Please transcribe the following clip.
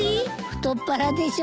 太っ腹でしょ？